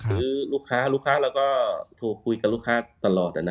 หรือลูกค้าลูกค้าเราก็โทรคุยกับลูกค้าตลอด